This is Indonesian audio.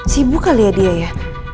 sibuk kali ya dia ya